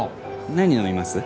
何飲みます？